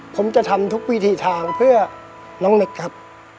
ผมจะทำทุกวิธีทางเพื่อน้องเล็กครับ